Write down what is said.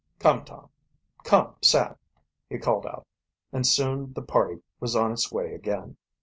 "Come, Tom; come, Sam!" he called out, and soon the party was on its way again.